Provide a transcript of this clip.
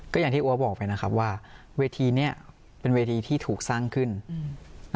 ก็อย่างที่อัวบอกไปนะครับว่าเวทีเนี้ยเป็นเวทีที่ถูกสร้างขึ้นอืม